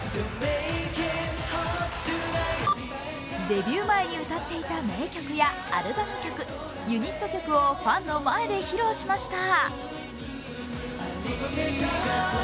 デビュー前に歌っていた名曲やアルバム曲、ユニット曲をファンの前で披露しました。